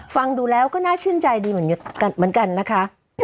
ฟังดูแล้วก็น่าชื่นใจดีเหมือนกันนะคะ